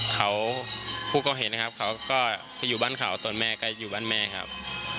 เขาผู้ก่อเหตุนะครับเขาก็ไปอยู่บ้านเขาตอนแม่ก็อยู่บ้านแม่ครับ